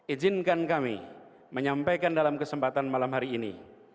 ijinkan kami menyampaikan dalam kesempatan malam hari ini